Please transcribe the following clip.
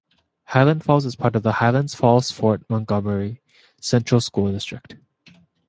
Highland Falls is part of the Highland Falls-Fort Montgomery Central School District.